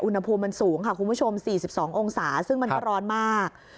อุณหภูมิมันสูงค่ะคุณผู้ชม๔๒องศาซึ่งมันก็ร้อนมาก